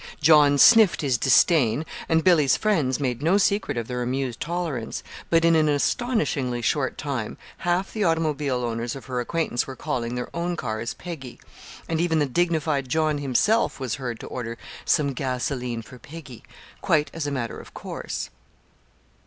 John sniffed his disdain, and Billy's friends made no secret of their amused tolerance; but, in an astonishingly short time, half the automobile owners of her acquaintance were calling their own cars "Peggy"; and even the dignified John himself was heard to order "some gasoline for Peggy," quite as a matter of course.